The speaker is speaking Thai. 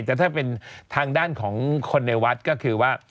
แต่ถ้าเป็นทางด้านของคนในวัดก็คือว่า